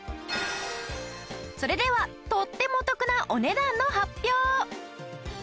それではとってもお得なお値段の発表。